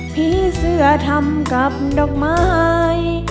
ผีเสื้อทำกับดอกไม้